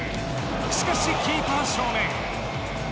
しかし、キーパー正面。